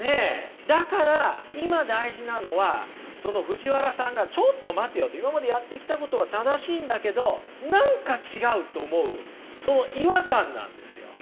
だから今大事なのはその藤原さんがちょっと待てよと今までやってきたことは正しいんだけど何か違うと思うその違和感。